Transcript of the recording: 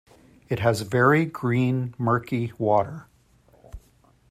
It has very green murky water.